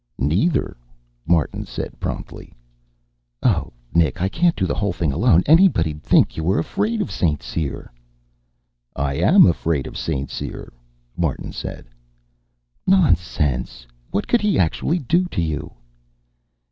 "Neither," Martin said promptly. "Oh, Nick! I can't do the whole thing alone. Anybody'd think you were afraid of St. Cyr." "I am afraid of St. Cyr," Martin said. "Nonsense. What could he actually do to you?"